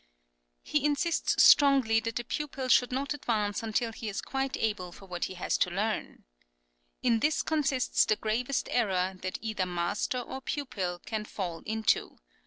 He insists strongly that the pupil should not advance until he is quite able for what he has to learn: "In this consists the gravest error that either master or pupil can fall into.